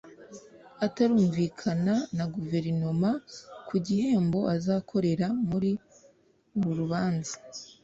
atarumvikana na Guverinoma ku gihembo azakorera muri uru rubanza